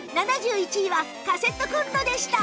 ７１位はカセットコンロでした